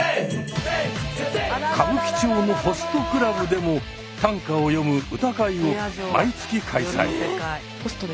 歌舞伎町のホストクラブでも短歌を詠む「歌会」を毎月開催。